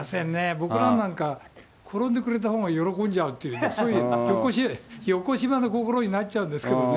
僕らなんか、転んでくれたほうが喜んじゃうっていうね、そういうよこしまな心になっちゃうんですけどね。